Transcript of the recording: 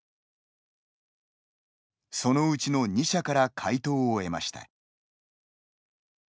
そのうちの２社から回答を得ました。